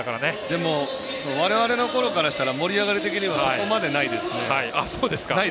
でも我々のころからしたら盛り上がり的にはそこまでないですね。